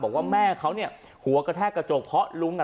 บอกว่าแม่เขาเนี่ยหัวกระแทกกระจกเพราะลุงอ่ะ